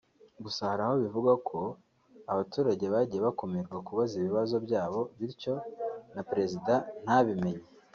Gusa hari aho bivugwa ko abaturage bagiye bakumirwa kubaza ibibazo byabo bityo na Perezida ntabimenye